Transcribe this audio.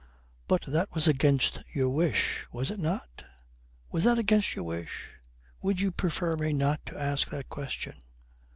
'But that was against your wish, was it not? Was that against your wish? Would you prefer me not to ask that question?'